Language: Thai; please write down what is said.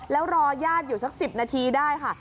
แล้วรอญาติอยู่สัก๑๐นาทีได้ค่ะ